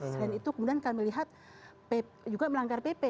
selain itu kemudian kami lihat juga melanggar pp